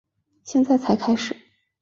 现在才开始